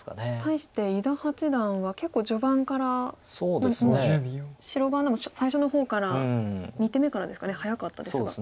対して伊田八段は結構序盤から白番でも最初の方から２手目からですかね早かったですが。